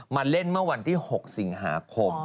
มาเล่นเมื่อวันที่๖สิงหาคม